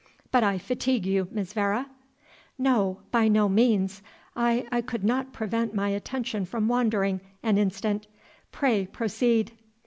But I fatigue you, Miss Vere?" "No, by no means; I I could not prevent my attention from wandering an instant; pray proceed."